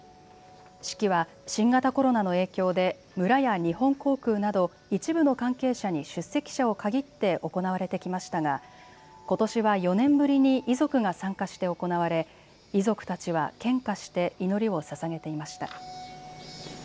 式は新型コロナの影響で村や日本航空など一部の関係者に出席者を限って行われてきましたがことしは４年ぶりに遺族が参加して行われ遺族たちは献花して祈りをささげていました。